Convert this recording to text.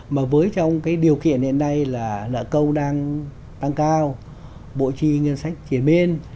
mà với trong cái điều kiện hiện nay là nợ câu đang tăng cao bộ chi ngân sách triển miên